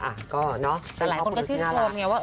อ่ะก็เนาะแต่หลายคนก็ชื่นชมไงว่า